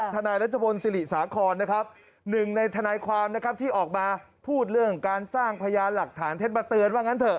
ถนายลัตชพนอย่างซิริสาครหนึ่งในธนายความที่ออกมาพูดเรื่องการสร้างพยานหลักฐาน